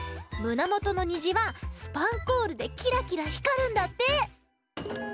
なもとのにじはスパンコールでキラキラひかるんだって。